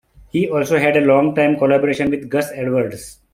He also had a long time collaboration with Gus Edwards.